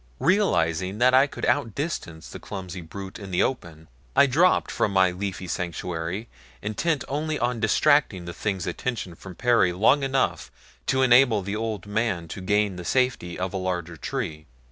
Realizing that I could outdistance the clumsy brute in the open, I dropped from my leafy sanctuary intent only on distracting the thing's attention from Perry long enough to enable the old man to gain the safety of a larger tree.